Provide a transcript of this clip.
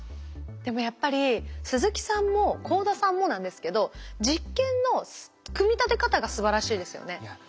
でもやっぱり鈴木さんも幸田さんもなんですけど実験の組み立て方がすばらしいですよね。